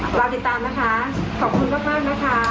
ครับที่ตามนะคะขอบคุณมากนะคะ